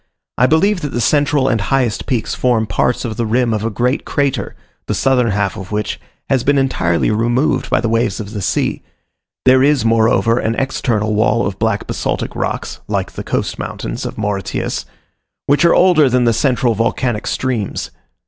I believe that the central and highest peaks form parts of the rim of a great crater, the southern half of which has been entirely removed by the waves of the sea: there is, moreover, an external wall of black basaltic rocks, like the coast mountains of Mauritius, which are older than the central volcanic streams.